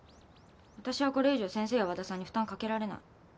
わたしはこれ以上先生や和田さんに負担かけられない。